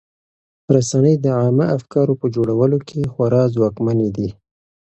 رسنۍ د عامه افکارو په جوړولو کې خورا ځواکمنې دي.